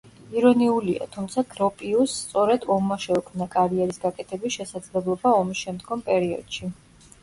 ირონიულია, თუმცა გროპიუსს სწორედ ომმა შეუქმნა კარიერის გაკეთების შესაძლებლობა ომისშემდგომ პერიოდში.